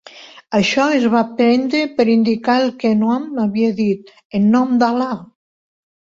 '"; això es va prendre per indicar el que Noah havia dit, "En nom d'Al·là!